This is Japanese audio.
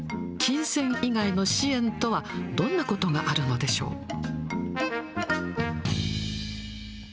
金銭以外の支援とは、どんなことがあるのでしょう。